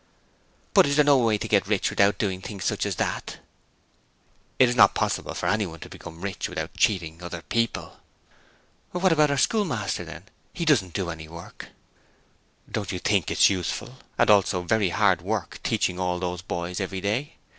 'But is there no way to get rich without doing such things as that?' 'It's not possible for anyone to become rich without cheating other people.' 'What about our schoolmaster then? He doesn't do any work.' 'Don't you think it's useful and and also very hard work teaching all those boys every day?